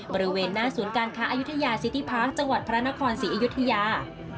บริเวณหน้าศูนย์การค้าอายุทยาสิทธิพาร์คจังหวัดพระนครศรีอยุธยา